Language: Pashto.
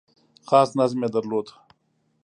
خاص نظم یې درلود .